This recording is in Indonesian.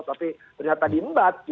tapi ternyata diembat